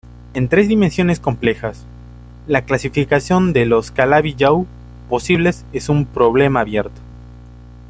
En tres dimensiones complejas, la clasificación de los Calabi-Yau posibles es un problema abierto.